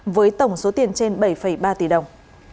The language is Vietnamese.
với tổng số tiền trên bảy ba tỷ đồng